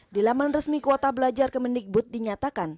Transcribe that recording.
di laman resmi kuota belajar ke mendikbud dinyatakan